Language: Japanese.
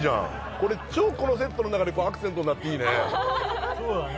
このセットの中でアクセントになってていいね。